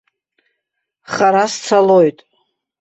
Хара сцалоит.